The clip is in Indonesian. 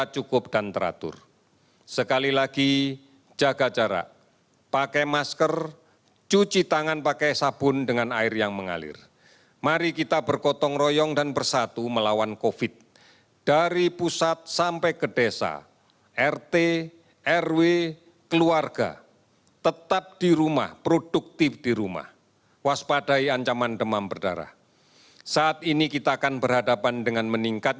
jumlah kasus yang diperiksa sebanyak empat puluh delapan enam ratus empat puluh lima